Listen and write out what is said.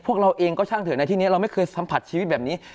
เราเองก็ช่างเถอะในที่นี้เราไม่เคยสัมผัสชีวิตแบบนี้